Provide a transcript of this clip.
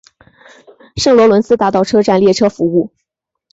圣罗伦斯大道车站列车服务。